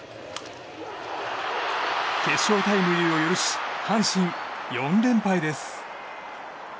決勝タイムリーを許し阪神、４連敗です。